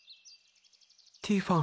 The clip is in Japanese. ティファン。